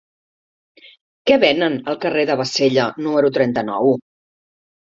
Què venen al carrer de Bassella número trenta-nou?